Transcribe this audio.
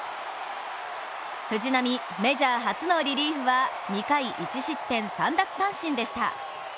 藤浪、メジャー初のリリーフは２回１失点３奪三振でした。